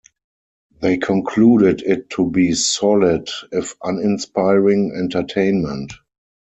They concluded it to be solid, if uninspiring, entertainment.